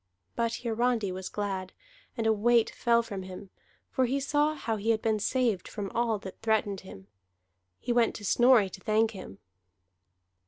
But Hiarandi was glad, and a weight fell from him, for he saw how he had been saved from all that threatened him. He went to Snorri to thank him.